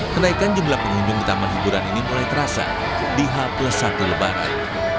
kenaikan jumlah pengunjung di taman hiburan ini mulai terasa di h plus satu lebaran